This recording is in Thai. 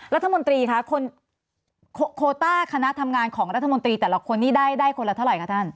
รัฐมนตรีคะคนโคต้าคณะทำงานของรัฐมนตรีแต่ละคนนี้ได้คนละเท่าไหร่คะท่าน